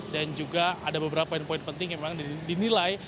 dan juga ada beberapa poin poin penting yang memang dinilai